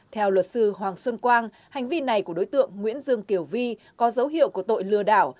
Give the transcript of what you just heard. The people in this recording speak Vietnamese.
theo luật sư hoàng xuân quang hành vi này của đối tượng nguyễn dương kiều vi có dấu hiệu của tội lừa đảo